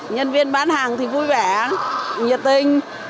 nhân viên bán hàng thì vui vẻ nhiệt tình